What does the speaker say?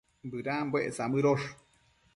Bëdambuec samëdosh